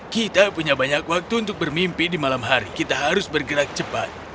kita punya banyak waktu untuk bermimpi di malam hari kita harus bergerak cepat